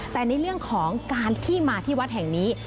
แต่ในเรื่องของการที่มาที่วัดแห่งนี้